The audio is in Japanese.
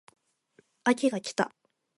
秋が来た